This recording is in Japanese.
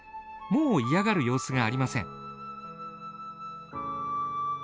もう嫌がる様子がありません。